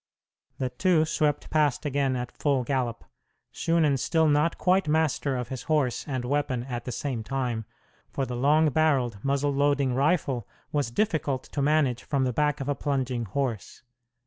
The two swept past again at full gallop, Shunan still not quite master of his horse and weapon at the same time, for the long barreled, muzzle loading rifle was difficult to manage from the back of a plunging horse.